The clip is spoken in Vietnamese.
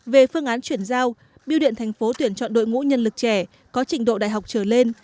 về phương án chuyển giao biêu điện thành phố tuyển chọn đội ngũ nhân lực trẻ có trình độ đại học trở lên